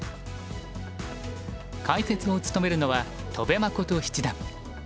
解説を務めるのは戸辺誠七段。